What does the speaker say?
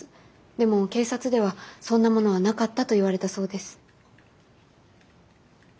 でも警察ではそんなものはなかったと言われたそうです。